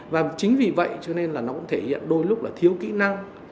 và chính vì vậy cho nên là nó cũng thể hiện đôi lúc là thiếu kỹ năng